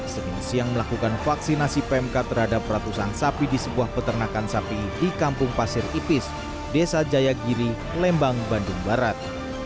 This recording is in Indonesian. senin siang melakukan vaksinasi pmk terhadap ratusan sapi di sebuah peternakan sapi di kampung pasir ipis desa jayagiri lembang bandung barat